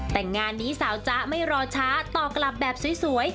แต่งานนี้สาวจ๊ะไม่รอช้าตอบกลับแบบสวย